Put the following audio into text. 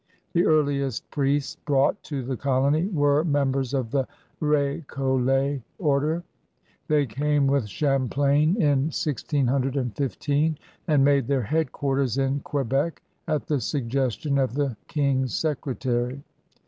The earliest priests brought to the colony were members of the B6coUet Order. They came with Champlain in 1615» and made their headquarters in Quebec at the suggestion of the King's secretary.